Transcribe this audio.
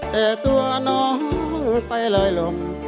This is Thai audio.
แต่ตัวน้องไปลอยลม